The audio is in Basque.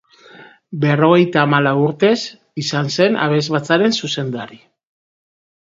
Berrogeita hamalau urtez izan zen abesbatzaren zuzendari.